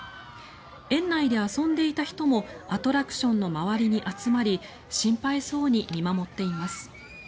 園内で遊んでいた人もアトラクションの周りに集まり心配そうに見守っています。